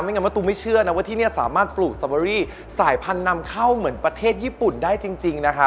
ไม่งั้นว่าตุ๊กไม่เชื่อที่นี่สามารถปลูกสตรอบเบอรี่สายพันธุ์นำเข้าเหมือนประเทศญี่ปุ่นได้จริง